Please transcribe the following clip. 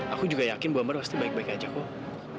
aku juga yakin bahwa marwa pasti baik baik aja kok